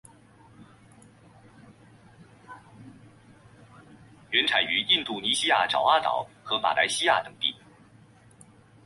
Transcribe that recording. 原产于印度尼西亚爪哇岛和马来西亚等地。